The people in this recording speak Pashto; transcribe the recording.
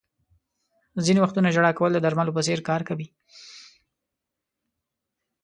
• ځینې وختونه ژړا کول د درملو په څېر کار کوي.